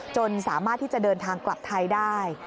สามารถที่จะเดินทางกลับไทยได้